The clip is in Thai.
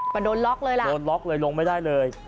ประโดนล็อกเลยล่ะลงไม่ได้เลย